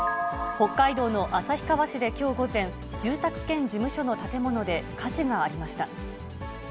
北海道の旭川市できょう午前、住宅兼事務所の建物で火事がありました。